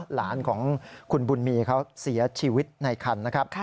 หลานของคุณบุญมีเขาเสียชีวิตในคันนะครับ